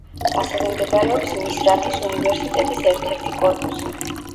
ასევე მდებარეობს მისრათის უნივერსიტეტის ერთ-ერთი კორპუსი.